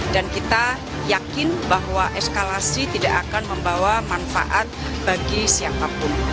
dan kita yakin bahwa eskalasi tidak akan membawa manfaat bagi siapapun